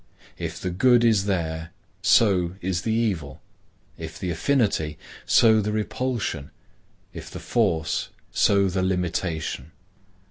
If the good is there, so is the evil; if the affinity, so the repulsion; if the force, so the limitation.